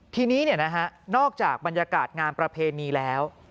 ทีนี้นอกจากบรรยากาศงานประเพณีแล้ว